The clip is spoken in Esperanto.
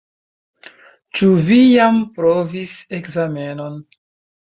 Ĉu vi jam provis ekzamenon?